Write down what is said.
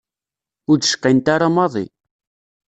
Ur d-cqint ara maḍi.